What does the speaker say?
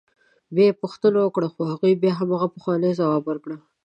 بیا یې پوښتنه وکړه خو هغوی بیا همغه پخوانی ځواب ورکړ.